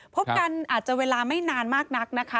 พบกันอาจจะเวลาไม่นานมากนักนะคะ